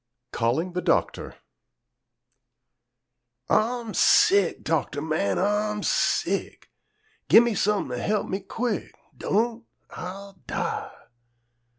CALLING THE DOCTOR Ah'm sick, doctor man, Ah'm sick! Gi' me some'n' to he'p me quick, Don't, Ah'll die!